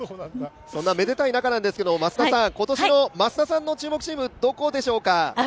そんなめでたい中なんですけど、今年の増田さんの注目チームはどこでしょうか？